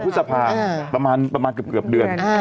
พฤษภาประมาณเกือบเดือน